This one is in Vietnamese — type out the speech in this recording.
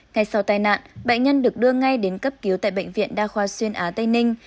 ngay sau tai nạn bệnh nhân được đưa ngay đến cấp cứu tại bệnh viện đa khoa xuyên á tây ninh